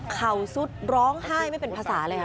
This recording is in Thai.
เข่าซุดร้องไห้ไม่เป็นภาษาเลยฮะ